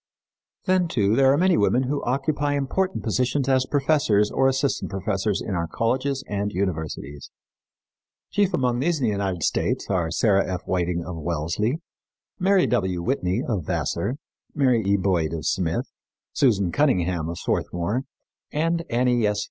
Then, too, there are many women who occupy important positions as professors or assistant professors in our colleges and universities. Chief among these in the United States are Sarah F. Whiting, of Wellesley; Mary W. Whitney, of Vassar; Mary E. Boyd, of Smith; Susan Cunningham, of Swarthmore, and Annie S.